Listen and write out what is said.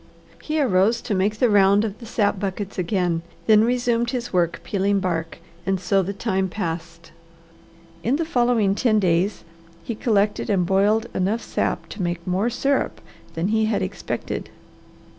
He arose to make the round of the sap buckets again, then resumed his work peeling bark, and so the time passed. In the following ten days he collected and boiled enough sap to make more syrup than he had expected.